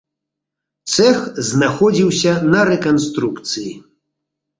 Цэх знаходзіўся на рэканструкцыі.